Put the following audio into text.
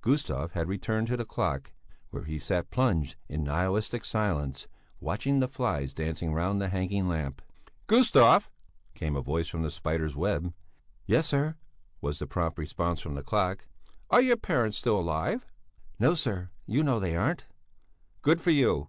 Gustav had returned to the clock, where he sat plunged in nihilistic silence, watching the flies dancing round the hanging lamp. "Gustav!" came a voice from the spider's web. "Yes sir!" was the prompt response from the clock. "Are your parents still alive?" "No, sir, you know they aren't." "Good for you."